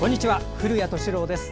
古谷敏郎です。